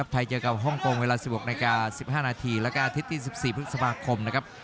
ไทยเจอกับฮ่องกงเวลา๑๖นาที๑๕นาทีและกันอาทิตย์๑๔พฤษภาคมครับ